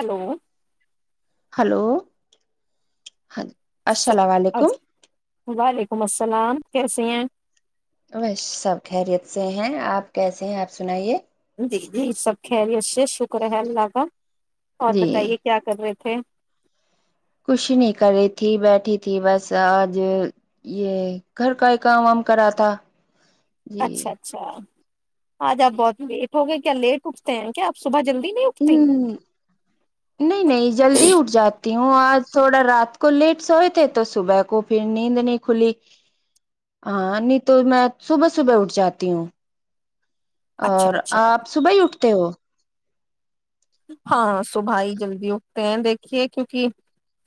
hello hello ہاں جی السلام علیکم ولیکم السلام کیسے ہیں ب سب خیریت سے ہیں آپ کیسے ہیں آپ سنائیے جی جی سب خریی شکر ہے اللہ کا اور جی بتائیے کیا کر رہے تھے ا تھ کچھ نہیں کر رہی تھی بیٹھی تھی بس آج یہ گھر کا ہی کام وام کرا تھا جی اچھا اچھا آج آپ بہت لیٹ ہو گئے کیا لیٹ اٹھتے ہیں کیا آپ صبح جلد ہ نہیں نہیں جلدی اٹھ جاتا ہوں آج تھوڑا رات کو لیٹ سوئے تھے تو صبح کو پھر نیند نہیں کھلی ہ نہیں تو میں صبح صبح اٹھ جاتی ہوں اچھا اور اچھا آپ صبح ہی اٹھتے ہو ہاں صبح ہی جلدی اٹگتے ہیں دیکھیے کیونکہ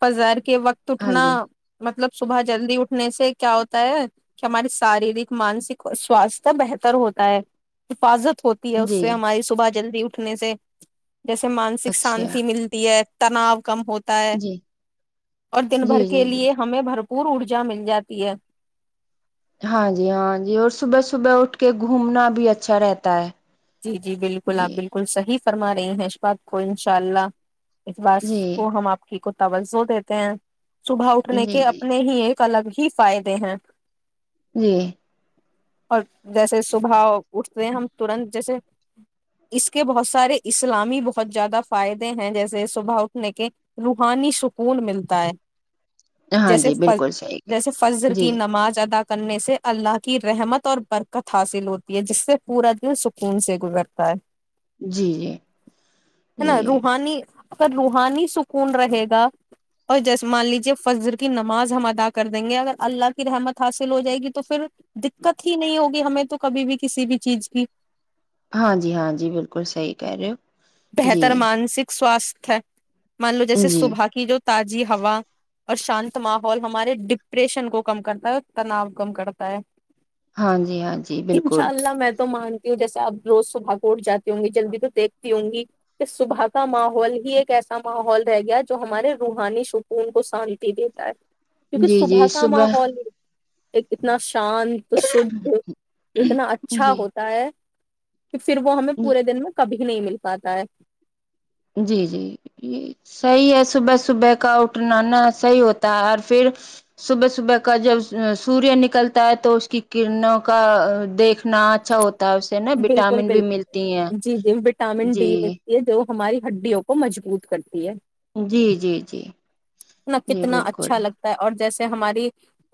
فزیر کہ وقت ہاں اٹھنا جی مطلب صبح جلدی اٹھنے سے کیا ہوتا ہے کہ ہماری شاریرک مانسک اور سواستھ بہتر ہوتا ہے حفاظت ہوتی ہے اس جی سے ہماری سباش جلدی اٹھنے سے جیسے مانسک اچھا شانتی ملتی ہے تناؤ [inaudible] کم ہوتا ہے جی اور دن بھر جی کے جی جی لیے ہمیں بھر پور ارجا مل جاتی ہے ہاں جی ہاں جی اور صبح صبح اٹھ کے گھومنا بھی اچھا رہتا ہے جی جی بالکل آپ جی بالکل صحی فرما رہی ہیں اس باک کو انشاء اللہ اس بس جی کو ہم آپ کی ل سو دیتے ہیں [unintelligible] صبح اٹھنے جی کے جی اپنے ہی ایک الگ ہی فائدے ہیں جی اور جیسے صبح اٹھتے ہم ترنت جیسے اس کے بہت سارے اسلامی بہت زیادہ فائدے ہیں جیسے صبح اٹھنے کے روحانی سکون ملتا ہے ہاں جیسے جی فز بالکل صحیح کہ جیسے فضر جی کی نماز ادا کرنے سے اللہ کی رحمت اور برکت حاصل ہوتی ہے جس سے پورا دن سکھ کون سے گزرتا ہے جی جی ہے جی نا روحانی اگر روحانی سکون رہے گا اور جیسے مان لیجے فجر کی نماز ہم ادا کر دیں گے اگر اللہ کی رحمت حاصل ہو جائے گی تو پھر دقت ہی نہیں ہوگی ہمیں تو کبھی بھی کسی بھی چیز کی ہاں جی ہاں جی بالکل صحی کہہ رہے ہو جی بہتر مانسک سواستھ مان لو جیسے جی صبح کی جو تازی ہوا اور شانت ماحول ہمارے ڈپریشن کو کم کرتا ہے اور تناؤ کم کرتا ہے ہاں جی ہاں جی انشاء بالکل اللہ میں تو مانتی ہوں جیسے آپ روز صبح کو اٹھاتے ہوں گی جلدی تو دھ وں گی کہ صبح کا ماحول ہی ایک ایسا ماحول رہ گیا جو ہمارے روحانی سکون کو شانتی دیتا ہے کیونکہ جی صبح جی کا ماحول ہی ایک اتنا [unintelligible] شانت شھ اتنا اچھا جی ہوتا ہے پھر وہ ہمیں پورے دن میں کبھی نہیں مل پاتا ہے جی جی صحیح ہے صبح صبح کا اٹھناا صحیح ہوتا ہے اور پھر صبح صبح کا جب سوریہ نکلتا ہے تو اس کی کرنوں کا دیکھنا اچھا ہوتا ہے اسے نا بالکل وٹامن بھی ملتی ہیں بالکل جی جی وٹامن جی ڈی ملتی ہے جو ہماری ہڈیوں کو مجبوط کرتی [unintelligible] جی جی جی ن جی کتنا بالکل اچھا لگتا ہے اور جیسا ہماری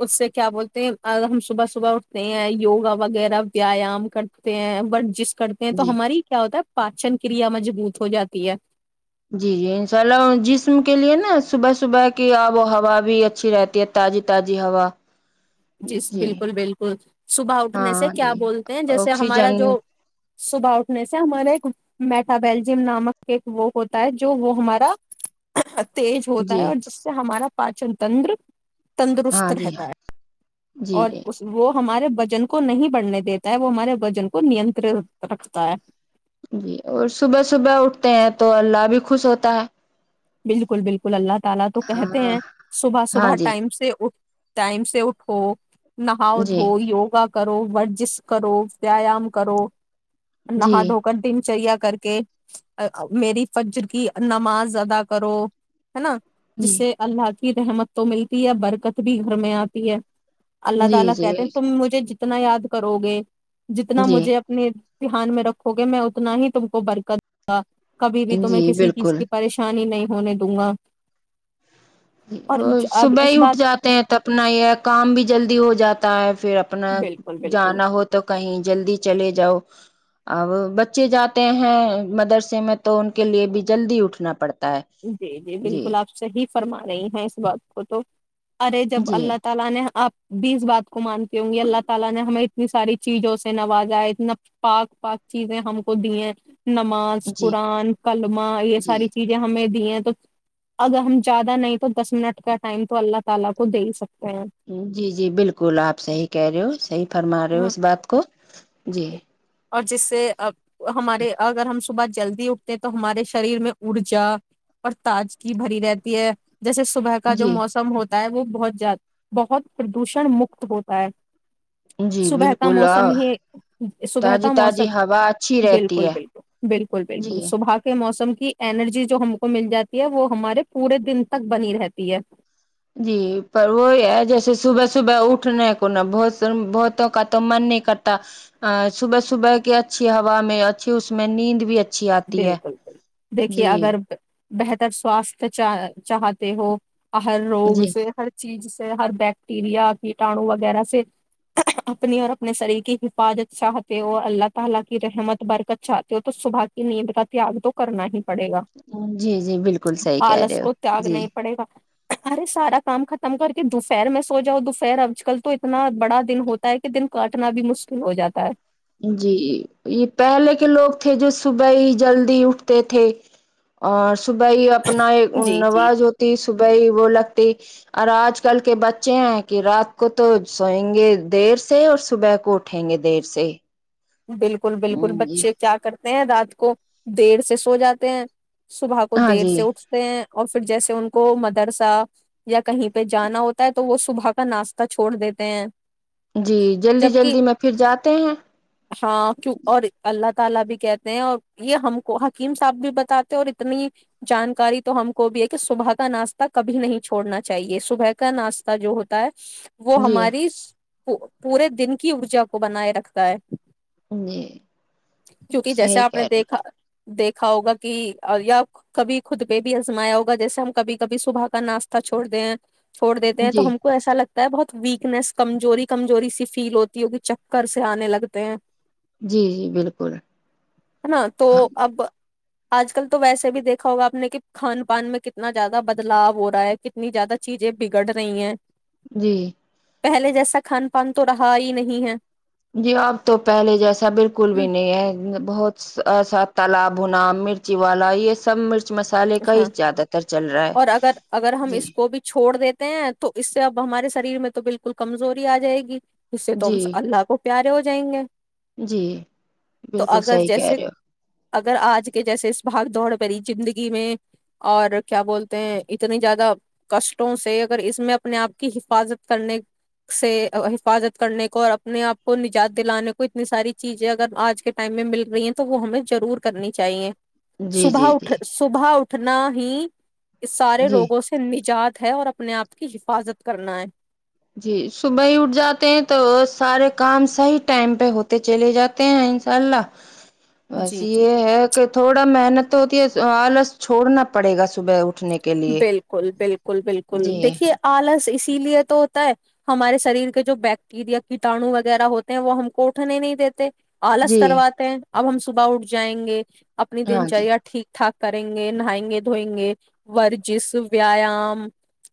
اس سے کیا بولتے ہیں ہم صبح صبح اٹھتے ہیں یوگا وغیرہ ویایام کرتے ہیں بٹ جس کرتے ہیں تو جی ہماری ہی کیا ہوتا ہے پاچن کریا مضبوط ہو جاتی ہے جی جی انشاء اللہ جسم کے لیئے نا صبح صبح کی آب و ہوا بھی اچھی رہتی ہے تازی تازی ہوا جی بالکل بالکل صبح اٹھنے سے ہاں کیا جی بولتے ہیں جیسے ہمارا آکسیجن جو صبح اٹھنے سے ہمارے ایک میٹا بیلجیم نامک ایک وہ ہوتا ہے جو وہ ہمارا تیز ہوتا جی ہے اور جس سے ہمارا پاچن تندر ہاں تندرست جی ہاں رہتا ہے جی اور جی اس وہ ہمارے بجن کو نہیں بڑھنے دیتا ہے وہ ہمارے وجن کو ننتر رکھتا ہے جی اور صبح صبح اٹھتے ہیں تو اللہ بھی خوش ہوتا ہے بالکل بالکل اللہ تالا تو کہتے ہاں ہیں صبح ہاں صبح جی ٹائم سے اٹھ ٹائم سے اٹھو نہاؤ جی دھوؤ یوگا کرو ورزش کرو ویایام کرو جی نہا دھو کر دنچریا کا کر کے میری فجر کی نماز ادا کرو ہے نا جی جس سے اللہ کی کی رحمت تو ملتی ہے برکت بھی گھر میں آتی ہے اللہ جی تعالی جی کہتے ہیں تم مجھے ج کتنا یاد کرو گے جتنا جی مجھے اپنی دھیان میں رکھو گے میں اتنا ہی تم کو برکت دوں گا کبھی بھی تمہیں جی کسی چیز بالکل کی پریشانی نہیں نہیں ہ نے دوں گا اور اب صبح اس ہی اٹھ بات جاتے ہیں تو اپنا یہ کام بھی جلدی ہو جاتا ہے پھر اپنا بالکل بالکل جانا ہو تو کہیں جلدی چلے جاؤ اب بچے جاتے ہیں مدرسے میں تو ان کے لیے بھی جلدی اٹھنا پڑتا ہے جی جی بالکل آپ صحیح فرما رہی ہیں اس بات کو تو ارے جب جی اللہ تعالی نے اپ بیس بات کو مانتی ہوں گی اللہ تالی نے ہمیں اتنی ساری چیزوں سے نوازاے اتنا پاک پاک چیزیں ہم کو دی ہیں نماز جی قرآن کلمہ یہ جی ساری چیز دی تو اگر ہم زیادہ نہیں تو دس منٹ کا ٹایم تو اللہ تعالی کو دے ہی سکتے جی جی بالکل اپ صحیح کہہ رہے ہو صحی فرما رہے ہو ہیں اس بات کو جی اور جس سے اب ہمارے اگر ہم صبح جلدی اٹھتے ہیں تو ہمارے شریر میں ارجا اور تجگی بھری رہتی ہے جیسے صبح کا جو جی موسم ہوتا وہ بہت بہت پردوشن مکت ہوتا ہے جی صبح کا بالکل موسم ہی صبح تازی کا موسم تازی ہوا اچھی رہتی بالکل ہے بالکل بالکل جی بالکل صبح کے موسم کی ارجی جو ہم کو مل جاتی ہے وہ ہمارے پورے دن تک بنی رہتی ہے جی پر وہی ہے جیسے صبح صبح اٹھنے کو نہ بہت بہتوں کا تو من نہیں کرتا ا صبح صبح کی اچھی ہوا میں اچھی اس میں نیند بھی اچھی آتی ہے بالکل بالکل دیکھیے جی اگر بہتر سواستھ چ چاہتے ہو ہر روگ جی سے ہر چیز سے ہر بیکٹیریا کیٹاڑو وغیرہ سے اپنی اور اپنے شریر کی حفاظت چاہتے اور اللہ تعالی کی رحمت برکت چاہتے ہو تو صبح نیت کا تیاگ تو کرنا ہی پڑے گا جی جی بالکل صحی کہہ آلس رہے ہو کو تیاگ جی نہیں پڑے گا ارے سارا کام ختم کر کے دوپہر میں سو جاؤ دوپہر آج کل تو اتنا بڑا دن ہوتا ہے کہ دن کاٹنا بھی مشکل ہو جاتا ہے جی یہ پہلے کے لوگ تھے جو صبح ہی جلدی اٹھتے تھے اور صبح ہی اپنا ایک ہے جی جی نواز ہوتی صبح ہی وہ لگ اور آج کل کے بچے ہیں کہ رات کو تو سوئیں گے دیر سے اور صبح کو اٹھیں گے دیر سے بالکل بالکل ہوں جی بچے کیا کرتے ہیں رات کو دیر سے سو جاتے ہیں صبح کو ہاں دیر جی سے اٹھتے ہیں اور پھر جیسے ان کو مدرسہ یا کہیں پہ جانا ہوتا ہے تو وہ صبح کا ناشتہ چھوڑ دیتے ہیں جی جلدی جبکہ جلدی میں پھر جاتے ہیں [inaudible] وہ جی ہماری پورے دن کی ارجا کو بنائے رکھتا ہے جی کیونکہ جیسے صحیح آپ نے کہہ رہے دیکھا دیکھا ہوگا کہ یا کبھی خود پہ بھی آزمایا ہوگا جیسے ہم کبھی کبھی صبح کا ناشتہ چھوڑ دیں ہیں چھوڑ دیتے ہو ہیں تو جی ہم کو ایسا لگتا ہے بہت ویکنیس کمزوری کمزوری سی فیل ہوتی ہوگی چکر سے آنے لگتا تو جی جی بالکل ہے نا تو ہاں جی اب آج کل تو ویسے بھی دیکھا ہوگا آپ نے کہ کھان پان میں کتنا زیادہ بدلاؤ ہو رہا ہے کتنی زیادہ چیزیں بگڑ رہی ہیں جی پہلے جیسا کھان پان تو رہا ہی نہیں ہے جی اب تو پہلے جیسا بالکل بھی نہیں ہے بہت ای سا تالا بھنا مرچی والا یہ سب مرچ مسالے کا ہی ہاں زیادہ تر چل رہا ہے اور اگر اگر ہم جی اس کو بھی چھوڑ دیتے تو اس سے اب ہمارے شریر میں تو بالکل کمزوری آ جائے گی اس سے تو جی اللہ کو پیارے ہو جائیں گے جی تو بالکل اگر صحی کہہ جیسے رہے ہو اگر آج کے جیسے اس بھگ دوڑ پر زندگی ی میں اور کیا بولتے ہیں اتنی زیادہ کشٹوں سے اگر اس میں اپنے آپ کی حفاظت کرنے سے حفاظت کرنے کو اور اپنے آپ کو نجات دلانے کو اتنی ساری چیزیں اگر آج کے ٹائم میں مل رہی ہیں تو وہ ہمیں ضرور کرنی چاہیے جی جی صبح اٹھ جی صبح اٹھنا ہی اس سارے جی روگوں سے نجات ہے اور اپنے آپ کی حفاظت کرنا ہے جی صبح ہی اٹھ جاتے ہیں تو سارے کام صحیح ٹائم پہ ہوتے چلے جاتے ہیں انشاء اللہ وس جی جی یہ ہے کہ تھوڑا محنت تو ہوتی ہے آلس چھڑنا پڑے گا صبح اٹھ بالکل بالکل بالکل جی دیکھیے آلس اس اسی لیے تو ہوتا ہے ہمارے شریر کے جو بیکٹییریا کیٹاانو وغیرہ ہوتے ہیں وہ ہم کوٹھنے نہیں دیتے آلس جی کرواتے ہیں اب ہم صبح اٹھ جائیں گے اپنی ہاں دن جی چاہیا ٹھیک ٹھاک کریں گے نائیں گے دھوئیں گے ورجس ویایام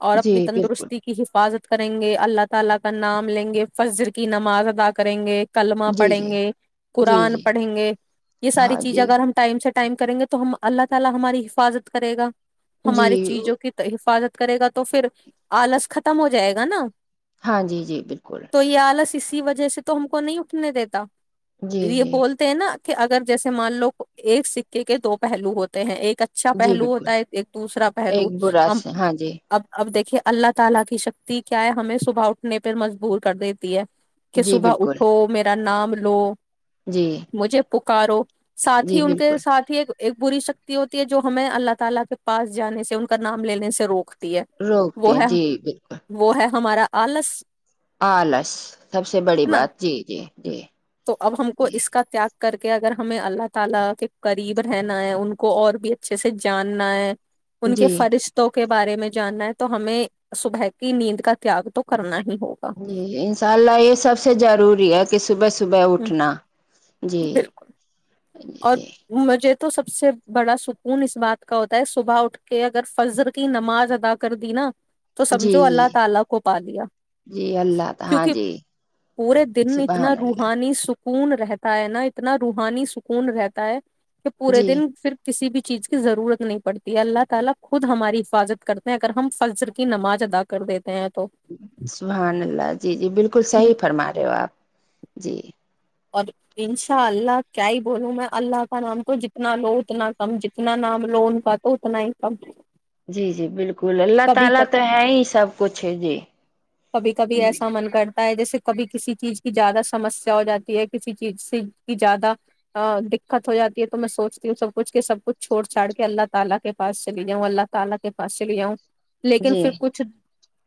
اور جی اپنی بالکل تندرستی کی حفاظت کریں گے اللہ تعالی کا نام لیں گے فجر کی نماز ادا کریں گے کلمہ جی پڑھیں جی گے جی قرآن جی پڑھیں گے یہ ساری ہاں چیزیں جی اگر ہم ٹائم سے ٹائم کرگے تو اللہ تعالی ہماری حفاظت کریگا جی ہماری چیزوں کی حفاظت کرے گا تو پھر آلس ختم ہو جائے گا نا ہاں جی جی بالکل تو یہ آلس اسی وجہ سے تو ہم کو نہیں اٹھنے دیتا جی یہ جی بولتے ہیں نا کہ اگر جیسے مان لو ایک سکے کے دو پہلو ہوتے ہیں ایک اچا جی پہلو بالکل ایک دوسرا پہلو ایک برا ہم سے ہاں جی اب اب دیکھیےاللہ تالا کی شکتی کیا ہمیں اٹھنے پہ مجبور کر دیتی ہے کہ جی صبح بالکل اٹھو میرا نام لو جی مجھے پکارو ساتھ ہی جی ان کے بالکل ساتھ ہی ایک ایک بری سکتی ہوتی ہے جو ہمیں اللہ تالا کے پاس جانے سے ان کا نام لینے سے روک ہے روکتے وہ ہیں ہے جی بالکل وہ ہے ہمارا آلس آلس سب سے بڑی ہے نا بات جی جی جی جی ر کے اگر ہمیں اللہ تعالی کے قریب رہنا ہے ان کو اور بھی جاننا ہے [unintelligible] ان کے جی فرشتوں کے بارے میں جاننا ہے تو ہمیں صبح کی نیند کا تیاگ تو کرنا ہی ہوگا جی اناساء اللہ یہ سب سے ضروری ہے کہ صبحس [unintelligible] صبح ہوں، اٹھنا جی بالکل جی اور جی مجھے تو سب سے بڑا سکون اس بات کا ہوتا ہے صبح اٹھ کے اگر فضر کی نماز ادا کر دی نا تو جی سمجھواللہ جی تعالی کو پا جی اللہ ہاں لیاکیونکہ جی پورے دن اتنا سبحان اللہ روحانی سکھ سکون رہتا ہے نا اتنا روحانی کون رہتا ہے کہ پورے جی دن پھر کسی بھی [inaudible] سحان اللہ جی جی بالکل صحیح فرما رہے ہو آپ جی اور انشاء اللہ کیا ہی بولوں میں اللہ کا نام کو جتنا لو اتنا کم جتنا نام لو ان کا تو اتنا ہی کم جی جی بالکل کل اللہ کبھی تعالی کب تو ہے ہی سب کچھ ہے جی کبھی کبھی ایسا من کرتا ہے جیسے کبھی کسی چیز کی اجازت لیکن جی پھر کچھ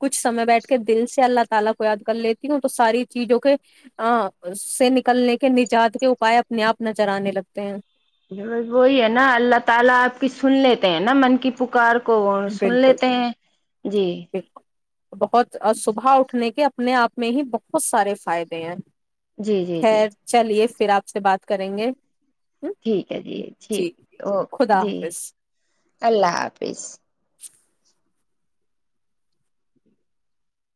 کچھ سمے بیٹھ کر دل سے اللہ تعالی کو یاد کر لیتی ہوں تو ساری چیزوں کے ا سے نکلنے کے نجات کے اوپائے اپنے اپ نظر انے لگتے ہیں وہی ہے نا اللہ تعالی اپ کی سن لیتے ہیں نا من کی کو سن بالکل لیتے بالکل ہیں جی بالکل بہت صبح اٹھنے کے اپنے آپ میں ہی بہت سارے فائدے ہیں جی جی جی خیر چلیے پھر آپ سے بات کریں گے ٹھیک ہے جی ٹھیک جی اوک خدا جی حافظ اللہ حافظ [inaudible]